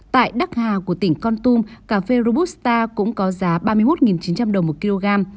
tại đắc hà của tỉnh con tum cà phê robusta cũng có giá ba mươi một chín trăm linh đồng một kg